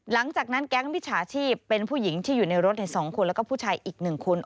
หลังจากนั้นแก๊งมิจฉาชีพเป็นผู้หญิงที่อยู่ในรถ๒คนแล้วก็ผู้ชายอีก๑คน